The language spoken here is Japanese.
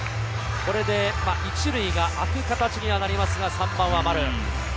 これで１塁が空く形になりますが、３番は丸。